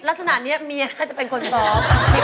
ลักษณะนี้เมียก็จะเป็นคนซ้อม